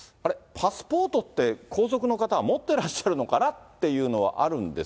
パスポートって皇族の方は持ってらっしゃるのかなっていうのはあ